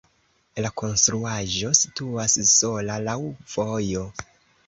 La konstruaĵo situas sola laŭ vojo.